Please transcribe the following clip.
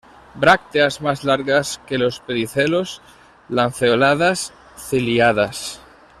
Brácteas más largas que los pedicelos, lanceoladas, ciliadas.